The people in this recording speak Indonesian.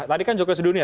tadi kan jokowi sudunia